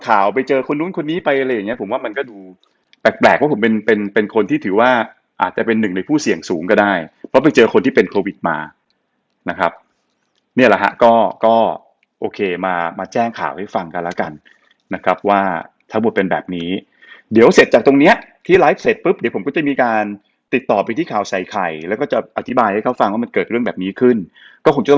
อาจจะเป็นหนึ่งในผู้เสี่ยงสูงก็ได้เพราะไปเจอคนที่เป็นโควิดมานะครับเนี่ยแหละฮะก็ก็โอเคมามาแจ้งข่าวให้ฟังกันแล้วกันนะครับว่าถ้าบทเป็นแบบนี้เดี๋ยวเสร็จจากตรงเนี้ยที่ไลฟ์เสร็จปุ๊บเดี๋ยวผมก็จะมีการติดต่อไปที่ข่าวใส่ไข่แล้วก็จะอธิบายให้เขาฟังว่ามันเกิดเรื่องแบบนี้ขึ้นก็